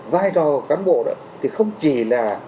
vai trò cán bộ đó thì không chỉ là